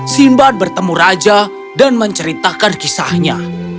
simbad bertemu raja dan menceritakan kisahnya